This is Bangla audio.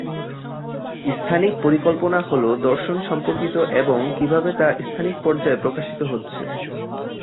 স্থানিক পরিকল্পনা হলো দর্শন সম্পর্কিত এবং কিভাবে তা স্থানিক পর্যায়ে প্রকাশিত হচ্ছে।